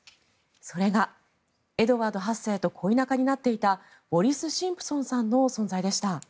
それがエドワード８世と恋仲になっていたウォリス・シンプソンさんの存在でした。